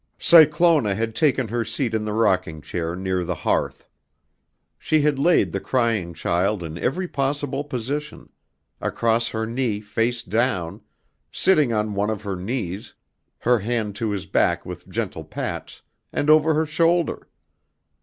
Cyclona had taken her seat in the rocking chair near the hearth. She had laid the crying child in every possible position, across her knee face down, sitting on one of her knees, her hand to his back with gentle pats, and over her shoulder.